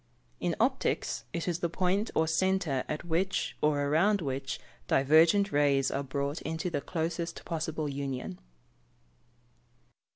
_ In optics, it is the point or centre at which, or around which, divergent rays are brought into the closest possible union.